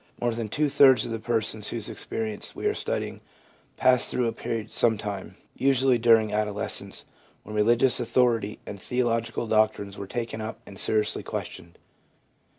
More than two thirds of the persons whose experience we are studying passed through a period sometime, usually during adolescence, when religious authority and theological doctrines were taken up and seriously questioned.